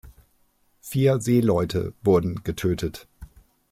Vier Seeleute wurden getötet.